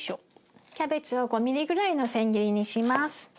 キャベツを５ミリぐらいの千切りにします。